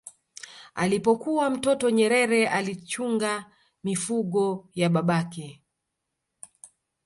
Alipokuwa mtoto Nyerere alichunga mifugo ya babake